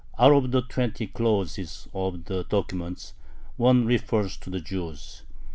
Out of the twenty clauses of the document, one refers to the Jews.